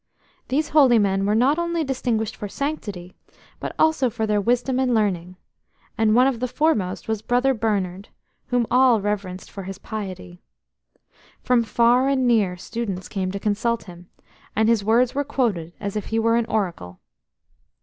These holy men were not only distinguished for sanctity, but also for their wisdom and learning, and one of the foremost was Brother Bernard, whom all reverenced for his piety. From far and near students came to consult him, and his words were quoted as if he were an oracle.